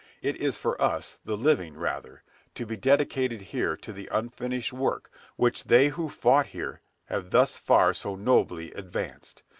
It is for us, the living, rather, to be dedicated here to the unfinished work which they who fought here have thus far so nobly advanced.